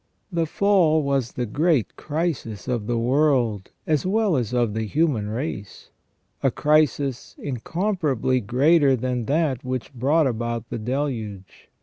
The fall was the great crisis of the world as well as of the human race, a crisis incomparably greater than that which brought about the deluge.